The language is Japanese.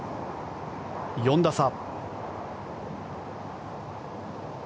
４打差。